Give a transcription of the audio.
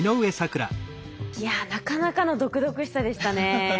いやなかなかの毒々しさでしたね。